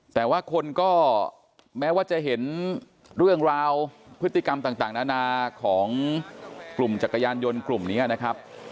แต่ว่าคนก็แม้ว่าจะเห็นเรื่องราวพฤติกรรมต่างนานาของกลุ่มจักรยานยนต์กลุ่มนี้นะครับ